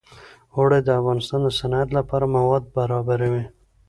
اوړي د افغانستان د صنعت لپاره مواد برابروي.